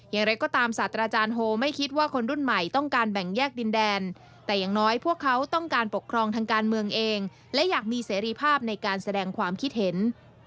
อย่างไรก็ตามศาสตราจารย์โฮไม่คิดว่าคนรุ่นใหม่ต้องการแบ่งแยกดินแดนแต่อย่างน้อยพวกเขาต้องการปกครองทางการเมืองเองและอยากมีเสรีภาพในการแสดงความคิดเห็น